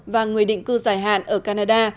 và người định cư dài hạn ở canada